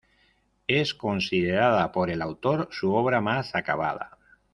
Es considerada por el autor su obra más acabada.